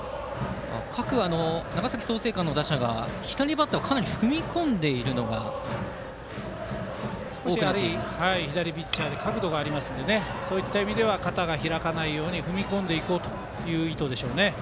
長崎・創成館の各打者左バッターがかなり踏み込んでいるのが左ピッチャーで角度がありますのでそういった意味では肩が開かないように踏み込んでいこうという意図ですね。